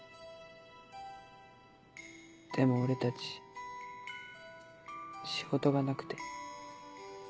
でも俺たち仕事がなくて。